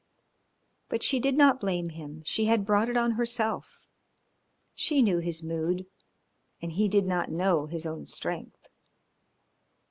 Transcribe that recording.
But she did not blame him, she had brought it on herself; she knew his mood, and he did not know his own strength.